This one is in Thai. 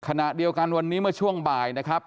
ขณะเดียวกันวันนี้เมื่อช่วงบ่ายนะครับ